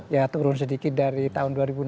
ya turun sedikit dari tahun dua ribu enam belas